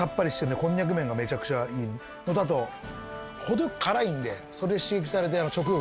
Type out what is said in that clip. こんにゃく麺がめちゃくちゃいいのとあと程よく辛いんでそれで刺激されて。